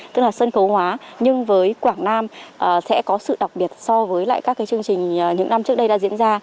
tức là sân khấu hóa nhưng với quảng nam sẽ có sự đặc biệt so với lại các chương trình những năm trước đây đã diễn ra